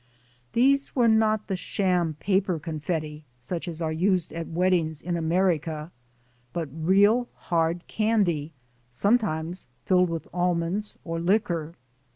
These were not the sham paper confetti such as are used at wed dings in America, but real hard candy, sometimes filled with almonds or liquor.